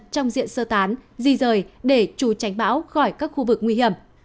trong diện sơ tán di rời để trù tránh bão khỏi các khu vực nguy hiểm